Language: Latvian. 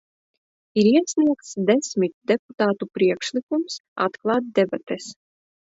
Ir iesniegts desmit deputātu priekšlikums atklāt debates.